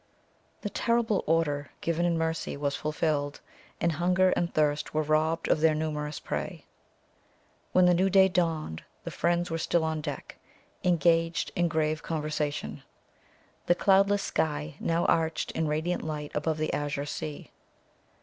The terrible order given in mercy was fulfilled, and hunger and thirst were robbed of their numerous prey. When the new day dawned the friends were still on deck, engaged in grave conversation. The cloudless sky now arched in radiant light above the azure sea.